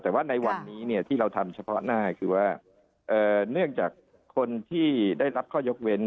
แต่ว่าในวันนี้ที่เราทำเฉพาะหน้าคือว่าเนื่องจากคนที่ได้รับข้อยกเว้น